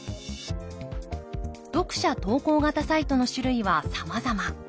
読者投稿型サイトの種類はさまざま。